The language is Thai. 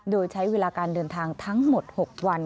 โดยใช้เวลาการเดินทางทั้งหมด๖วัน